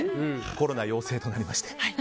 コロナ陽性となりまして。